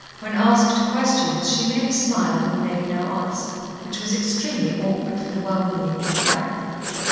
When asked questions, she merely smiled and made no answer, which was extremely awkward for the well meaning inquirer.